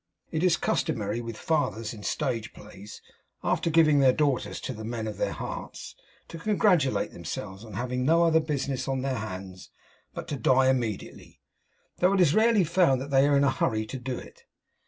It is customary with fathers in stage plays, after giving their daughters to the men of their hearts, to congratulate themselves on having no other business on their hands but to die immediately; though it is rarely found that they are in a hurry to do it.